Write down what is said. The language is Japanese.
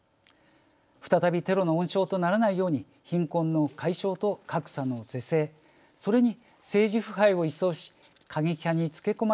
再びテロの温床とならないように貧困の解消と格差の是正それに政治腐敗を一掃しつけこま